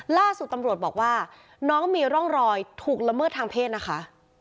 ล่าสุดตำรวจบอกว่าน้องมีร่องรอยถูกละเมิดทางเพศนะคะ